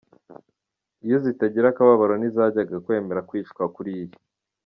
Iyo zitagira akababaro ntizajyaga kwemera kwicwa kuriya.